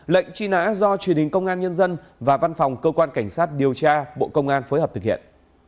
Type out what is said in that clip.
lệnh truy nã do truyền hình công an nhân dân và văn phòng cơ quan cảnh sát điều tra bộ công an phối hợp thực hiện